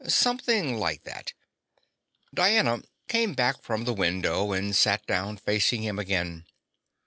"Something like that." Diana came back from the window and sat down facing him again.